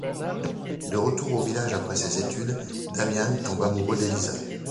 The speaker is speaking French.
De retour au village après ses études, Damián tombe amoureux d’Elisa.